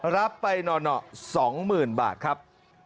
รับไปหน่อ๒๐๐๐บาทครับ